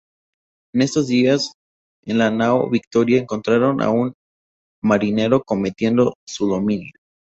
En esos días, en la nao "Victoria" encontraron a un marinero cometiendo sodomía.